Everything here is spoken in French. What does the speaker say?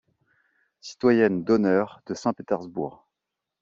Citoyenne d'honneur de Saint-Pétersbourg.